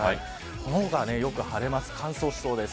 この他はよく晴れます、乾燥しそうです。